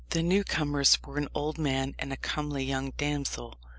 The new comers were an old man and a comely young damsel.